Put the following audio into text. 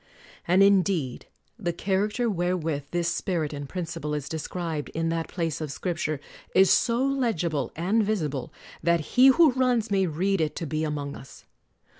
And indeed the character wherewith this spirit and principle is described in that place of Scrip ture is so legible and visible that he who runs may read it to be among us.